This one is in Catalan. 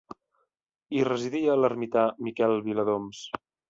Hi residia l'ermità Miquel Viladoms.